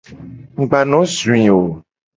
Mu gba no zui wo o.